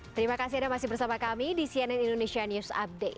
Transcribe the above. terima kasih anda masih bersama kami di cnn indonesia news update